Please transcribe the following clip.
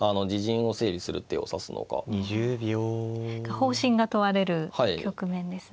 方針が問われる局面ですね。